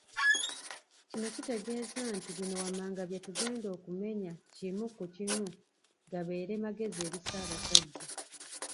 Kino Kitegeeza nti bino wammanga bye tugenda okumenya kimu ku kimu gabeere magezi eri Ssabasajja